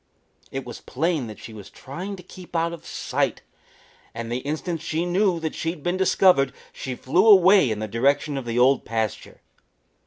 It was plain that she was trying to keep out of sight, and the instant she knew that she had been discovered she flew away in the direction of the Old Pasture.